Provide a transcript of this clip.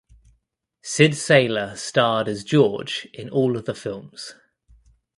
Syd Saylor starred as George in all of the films.